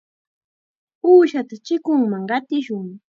Uushata chikunman qatishun.